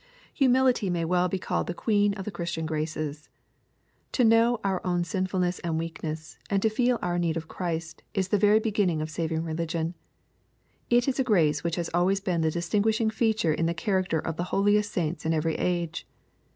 Humility may well be called the queen of the Christian graces. To know our own sinfulness and weakness, and to feel our need of Christ, is the very beginning of saving religion. — It is a grace which has always been the distin guishing feature in the character of the holiest saints in every age.